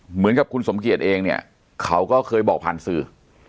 เหมือนกับคุณสมเกียจเองเนี่ยเขาก็เคยบอกผ่านสื่อ